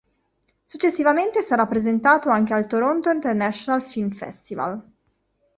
Successivamente sarà presentato anche al Toronto International Film Festival.